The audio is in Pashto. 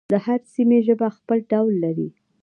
د هرې سیمې ژبه خپل ډول لري.